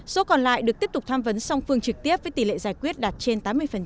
số còn lại được tiếp tục tham vấn song phương trực tiếp với tỷ lệ giải quyết đạt trên tám mươi